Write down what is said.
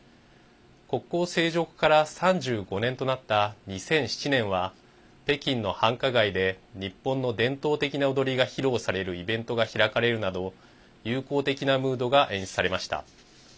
国交正常化から３５年となった２００７年は北京の繁華街で日本の伝統的な踊りが披露されるイベントが開かれるなど友好的なムードが演出されました。